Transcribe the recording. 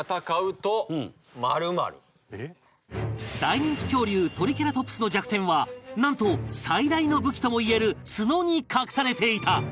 大人気恐竜トリケラトプスの弱点はなんと最大の武器ともいえるツノに隠されていた